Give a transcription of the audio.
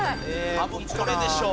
多分これでしょう。